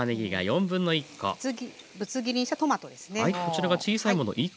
ぶつ切りにしたトマトですね。